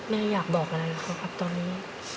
แม่อยากบอกอะไรเขาครับตอนนี้